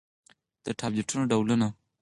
د ټابليټنو ډولونه: